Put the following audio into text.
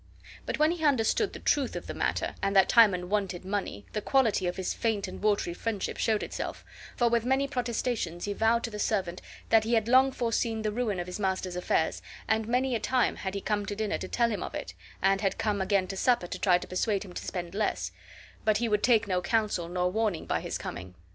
But when he understood the truth of the matter, and that Timon wanted money, the quality of his faint and watery friendship showed itself, for with many protestations he vowed to the servant that he had long foreseen the ruin of his master's affairs, and many a time had he come to dinner to tell him of it, and had come again to supper to try to persuade him to spend less, but he would take no counsel nor warning by his coming.